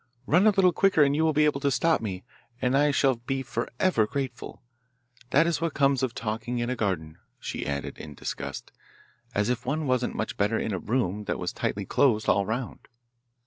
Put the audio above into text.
'Run a little quicker and you will be able to stop me, and I shall be for ever grateful. That is what comes of talking in a garden,' she added in disgust; 'as if one wasn't much better in a room that was tightly closed all round.